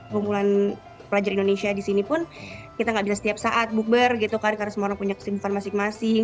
kumpulan pelajar indonesia di sini pun kita gak bisa setiap saat bukber gitu kan karena semua orang punya kesibukan masing masing